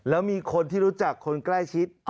แล้วมีคนที่รู้จักคนใกล้ชิด